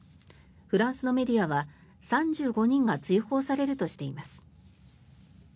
フランスのメディアは、３５人が追放されるとしています。